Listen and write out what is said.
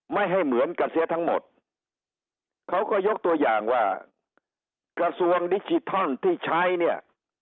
ไม่ให้เหมือนกับเสียทั้งหมดเขาก็ยกตัวอย่างว่ากระทรวงดิจิทัลที่ใช้เนี่ย